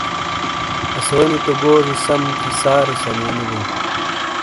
اسوئی نی تو گوجی سم تھےسارے سنیونو بیئں